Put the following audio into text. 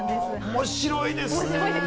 面白いですよね。